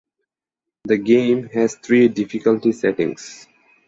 The game has three difficulty settings.